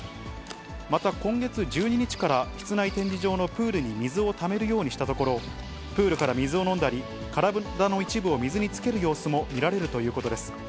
また、今月１２日から室内展示場のプールに水をためるようにしたところ、プールから水を飲んだり、体の一部を水につける様子も見られるということです。